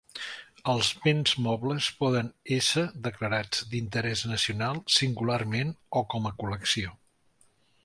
Els béns mobles poden ésser declarats d'interès nacional singularment o com a col·lecció.